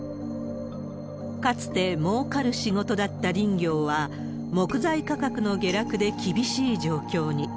かつて、もうかる仕事だった林業は、木材価格の下落で厳しい状況に。